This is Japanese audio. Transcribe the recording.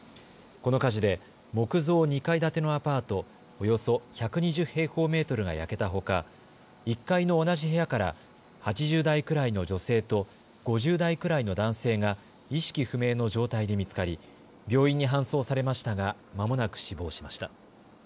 この火事で木造２階建てのアパート、およそ１２０平方メートルが焼けたほか１階の同じ部屋から８０代くらいの女性と５０代くらいの男性が意識不明の状態で見つかり病院に搬送されましたがまもなく死亡しました。